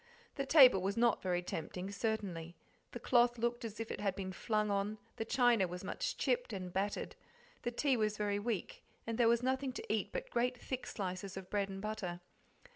The table was not very tempting, certainly; the cloth looked as if it had been flung on, the china was much chipped and battered, the tea was very weak, and there was nothing to eat but great thick slices of bread and butter.